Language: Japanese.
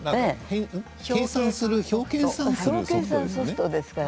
計算する、表計算するソフトですよね。